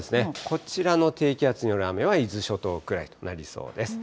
こちらの低気圧による雨は伊豆諸島くらいとなりそうです。